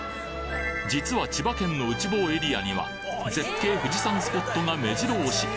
実は千葉県の内房エリアには絶景富士山スポットが目白押し